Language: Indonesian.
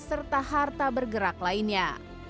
serta harta bergerak lainnya